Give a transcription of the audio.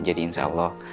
jadi insya allah